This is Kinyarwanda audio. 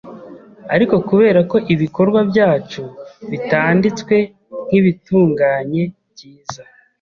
ariko kubera ko ibikorwa byacu bitanditswe nk’ibitunganye, byiza,